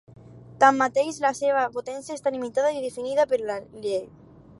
Tanmateix, la seva potència està limitada i definida per la llei.